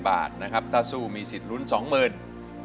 ไปยักษ์นานอย่างเดียวไปยักษ์นานอย่างเดียว